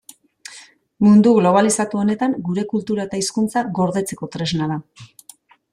Mundu globalizatu honetan gure kultura eta hizkuntza gordetzeko tresna da.